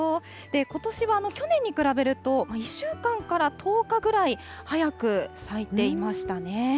ことしは去年に比べると、１週間から１０日くらい早く咲いていましたね。